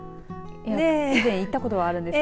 以前、行ったことがあるんです。